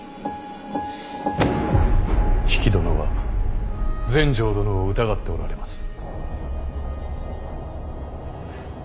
比企殿は全成殿を疑っておられます。